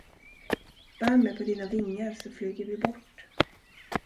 Bär mig på dina vingar så flyger vi bort.